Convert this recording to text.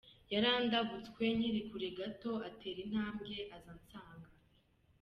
Yarandabutswe nkiri kure gato, atera intambwe aza ansanga.